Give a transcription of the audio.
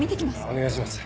お願いします。